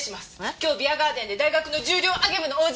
今日ビアガーデンで大学の重量挙げ部のＯＧ会で。